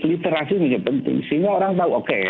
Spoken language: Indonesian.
literasi menjadi penting sehingga orang tahu oke